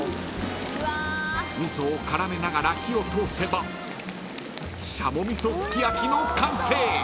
［味噌を絡めながら火を通せば軍鶏味噌すき焼きの完成］